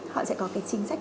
họ sẽ có cái chính sách